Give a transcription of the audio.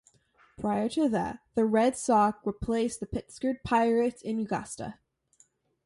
Prior to that, the Red Sox replaced the Pittsburgh Pirates in Augusta.